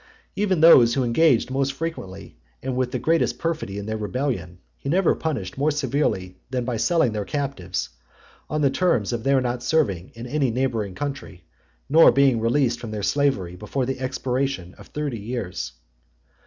Even those who engaged most frequently and with the greatest perfidy in their rebellion, he never punished more severely than by selling their captives, on the terms (85) of their not serving in any neighbouring country, nor being released from their slavery before the expiration of thirty years.